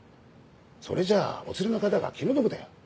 それじゃあお連れの方が気の毒だよ。